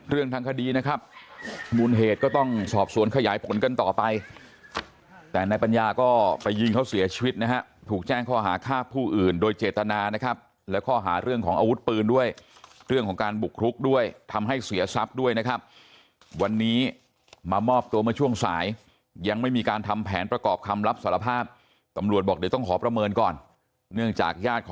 ทางคดีนะครับมูลเหตุก็ต้องสอบสวนขยายผลกันต่อไปแต่นายปัญญาก็ไปยิงเขาเสียชีวิตนะฮะถูกแจ้งข้อหาฆ่าผู้อื่นโดยเจตนานะครับและข้อหาเรื่องของอาวุธปืนด้วยเรื่องของการบุกรุกด้วยทำให้เสียทรัพย์ด้วยนะครับวันนี้มามอบตัวเมื่อช่วงสายยังไม่มีการทำแผนประกอบคำรับสารภาพตำรวจบอกเดี๋ยวต้องขอประเมินก่อนเนื่องจากญาติ